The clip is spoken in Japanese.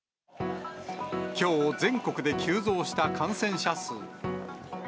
きょう、全国で急増した感染者数。